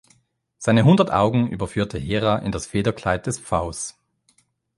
Seine hundert Augen überführte Hera in das Federkleid des Pfaus.